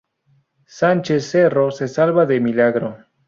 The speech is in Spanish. Sánchez Cerro se salvó de milagro.